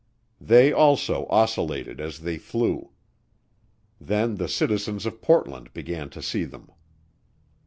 They also oscillated as they flew. Then the citizens of Portland began to see them.